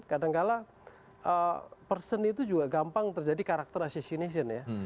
kadang kadang person itu juga gampang terjadi karakter asesinasian ya